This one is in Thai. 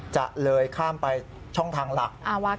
จะเลยข้ามไปช่องทางหลัก